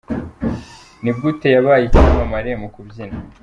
Ni gute yabaye icyamamare mu kubyina?.